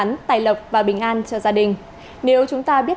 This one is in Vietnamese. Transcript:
những loại cây